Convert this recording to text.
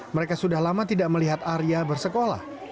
mereka sudah lama tidak melihat arya bersekolah